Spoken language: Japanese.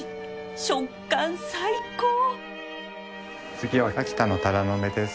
次は秋田のタラの芽です。